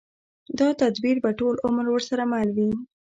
دا تدبير به ټول عمر ورسره مل وي.